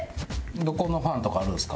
どこのファンとかあるんですか？